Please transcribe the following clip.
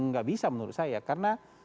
nggak bisa menurut saya karena